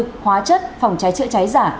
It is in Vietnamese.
tư hóa chất phòng cháy chữa cháy giả